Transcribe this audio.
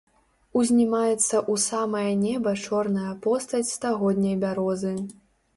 Узнімаецца ў самае неба чорная постаць стагодняй бярозы.